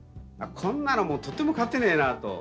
こんなのとても勝てねえなと。